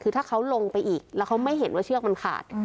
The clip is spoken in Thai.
คือถ้าเขาลงไปอีกแล้วเขาไม่เห็นว่าเชือกมันขาด